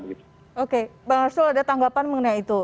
oke bang arsul ada tanggapan mengenai itu